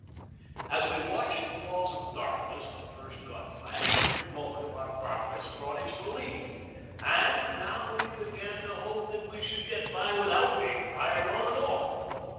As we watched the walls of darkness for the first gun flash, every moment of our progress brought its relief, and now we began to hope that we should get by without being fired on at all.